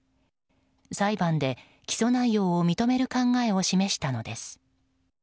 裁判で起訴内容を認める考えを示したのです。